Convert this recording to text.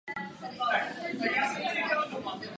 Častým motivem jsou i rodinné mýty.